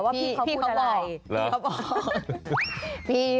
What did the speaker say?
ว่าพี่เขาบอก